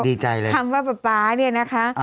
ดีใจเลยคำว่าป๊าป๊าเนี่ยนะคะ